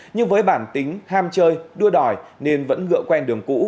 nhưng với bản tính ham chơi đua đòi nên vẫn ngựa quen đường cũ